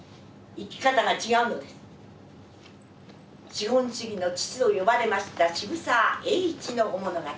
「資本主義の父」と呼ばれました渋沢栄一の物語